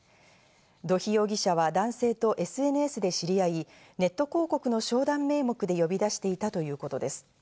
土肥容疑者は男性とＳＮＳで知り合い、ネット広告の商談名目で呼び出していたということです。